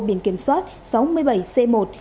biển kiểm soát sáu mươi bảy c một ba trăm sáu mươi sáu